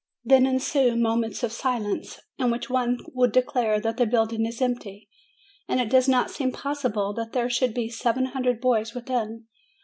Then ensue moments of silence, in which one would declare that the building is empty, and it does not seem possible that there should be seven hundred boys within.